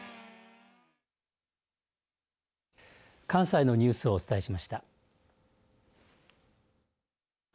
関西のニュースをお伝えしました。